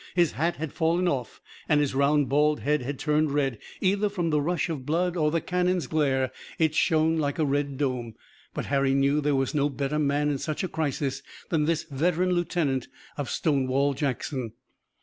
His hat had fallen off, and his round, bald head had turned red, either from the rush of blood or the cannon's glare. It shone like a red dome, but Harry knew that there was no better man in such a crisis than this veteran lieutenant of Stonewall Jackson.